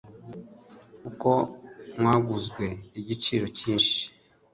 kuko mwaguzwe igiciro cyinshi.